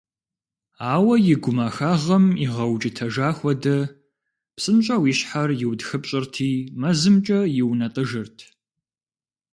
Ауэ и гумахагъэм игъэукӏытэжа хуэдэ, псынщӏэу и щхьэр иутхыпщӏырти мэзымкӏэ иунэтӏыжырт.